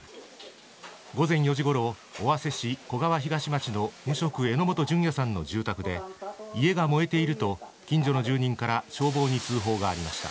午前４時ごろ、尾鷲市小川東町の無職、榎本純也さんの住宅で家が燃えていると、近所の住人から消防に通報がありました。